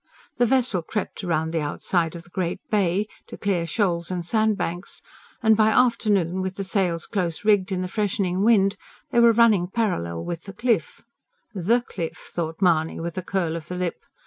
The vessel crept round the outside of the great Bay, to clear shoals and sandbanks, and, by afternoon, with the sails close rigged in the freshening wind, they were running parallel with the Cliff "THE Cliff!" thought Mahony with a curl of the lip.